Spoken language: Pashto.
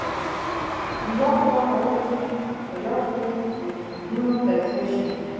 یوه قوه کولی شي په یو شمېر وکتورونو تجزیه شي.